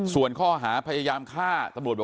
ส่วนข้อหาพยายามฆ่าตำรวจบอก